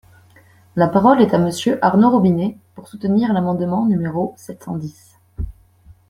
La parole est à Monsieur Arnaud Robinet, pour soutenir l’amendement numéro sept cent dix.